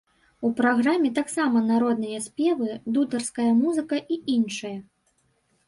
У праграме таксама народныя спевы, дударская музыка і іншае.